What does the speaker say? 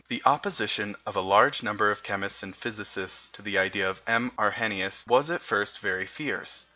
The opposition of a large number of chemists and physicists to the ideas of M. Arrhenius was at first very fierce.